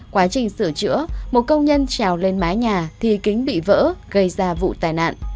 quá trình sửa chữa một công nhân trèo lên mái nhà thì kính bị vỡ gây ra vụ tai nạn